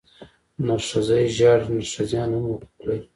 نرښځی ژاړي، نرښځيان هم حقوق لري.